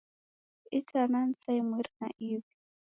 Itana ni saa imweri na iw'i.